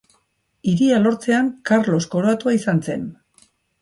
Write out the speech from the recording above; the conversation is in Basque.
Hiria lortzean, Karlos koroatua izan zen.